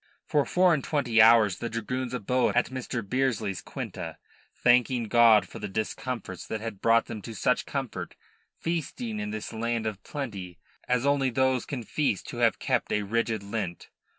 For four and twenty hours the dragoons abode at Mr. Bearsley's quinta, thanking God for the discomforts that had brought them to such comfort, feasting in this land of plenty as only those can feast who have kept a rigid Lent.